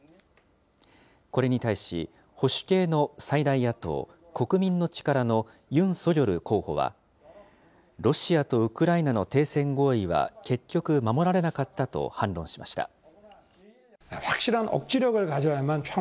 これに対し保守系の最大野党・国民の力のユン・ソギョル候補は、ロシアとウクライナの停戦合意は結局守られなかったと反論しました。